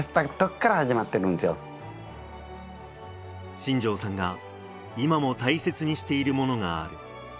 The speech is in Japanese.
新城さんが今も大切にしているものがある。